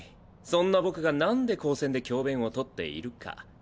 そんな僕がなんで高専で教鞭をとっているか。